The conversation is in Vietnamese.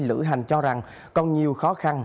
lữ hành cho rằng còn nhiều khó khăn